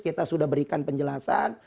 kita sudah berikan penjelasan